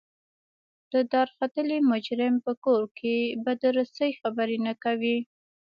د دارختلي مجرم په کور کې به د رسۍ خبرې نه کوئ.